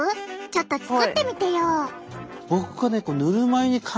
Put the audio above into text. ちょっと作ってみてよ。